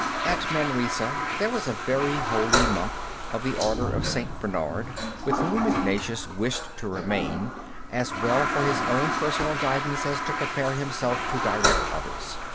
At Manresa, there was a very holy monk, of the Order of St. Bernard, with whom Ignatius wished to remain, as well for his own personal guidance as to prepare himself to direct others.